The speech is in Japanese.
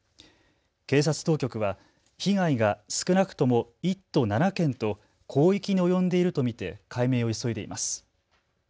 警察当局は被害が少なくとも１都７県と広域に及んでいると見て解明を急いでいます。